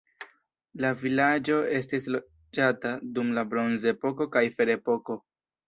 La vilaĝo estis loĝata dum la bronzepoko kaj ferepoko.